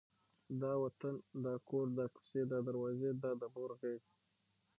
دا وطن، دا کور، دا کوڅې، دا دروازې، دا د مور غېږ،